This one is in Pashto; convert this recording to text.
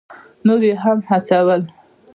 نور یې هم هڅول.